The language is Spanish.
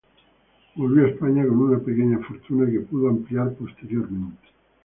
Volvió a España con una pequeña fortuna, que pudo ampliar posteriormente.